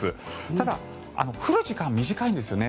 ただ降る時間は短いんですよね。